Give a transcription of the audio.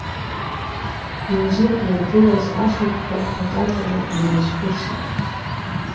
Илзықәлыргылаз афатәқәа акакала днарызхәыцит.